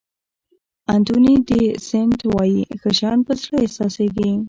انتوني دي سېنټ وایي ښه شیان په زړه احساسېږي.